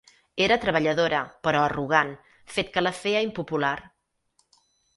Era treballadora, però arrogant, fet que la feia impopular.